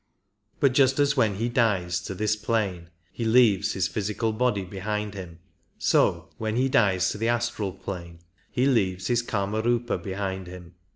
But just as when he dies to this plane he leaves his physical body behind him, so when he dies to the astral plane he leaves his Kamariipa behind him.